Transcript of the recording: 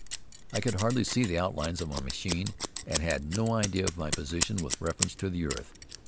I could hardly see the outlines of my machine and had no idea of my position with reference to the earth.